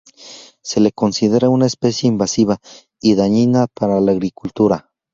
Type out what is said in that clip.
Se le considera una especie invasiva y dañina para la agricultura.